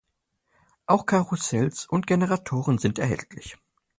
Auch Karussells und Generatoren sind erhältlich.